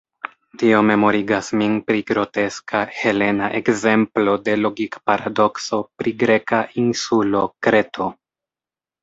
Tio memorigas min pri groteska helena ekzemplo de logik-paradokso pri greka insulo Kreto.